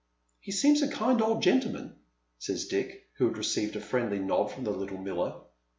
" He seems a kind old gentleman," says Dick, who had received a friendly nod from the little miller.